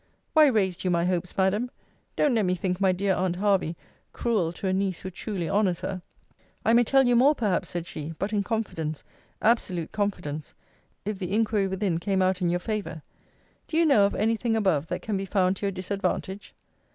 Why raised you my hopes, Madam? Don't let me think my dear aunt Hervey cruel to a niece who truly honours her. I may tell you more perhaps, said she (but in confidence, absolute confidence) if the inquiry within came out in your favour. Do you know of any thin above that can be found to your disadvantage?